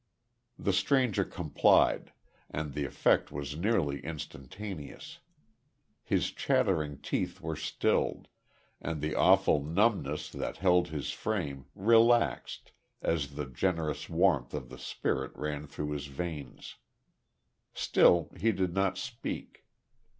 The stranger complied, and the effect was nearly instantaneous. His chattering teeth were stilled, and the awful numbness that held his frame, relaxed, as the generous warmth of the spirit ran through his veins. Still he did not speak.